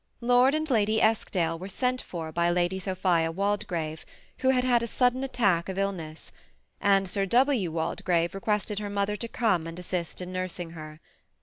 Lord and Lady Eskdale were sent for by Lady Sophia Waldegrave, who had had a sudden attack of illness ; and Sir W. Walde grave requested her mother to come and assist in nurs ing her.